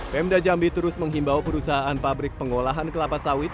pemda jambi terus menghimbau perusahaan pabrik pengolahan kelapa sawit